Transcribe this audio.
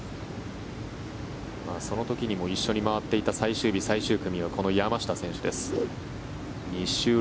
その時にも一緒に回っていた最終日、最終組はこの山下選手です。